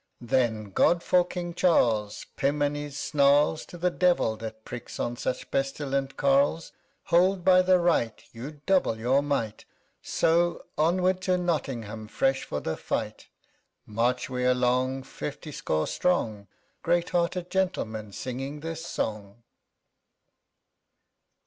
_ Then, God for King Charles! Pym and his snarls 20 To the Devil that pricks on such pestilent carles! Hold by the right, you double your might; So, onward to Nottingham, fresh for the fight. CHORUS. March we along, fifty score strong, _Great hearted gentlemen, singing this song!